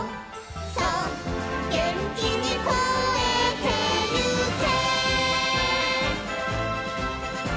「そうげんきにこえてゆけ」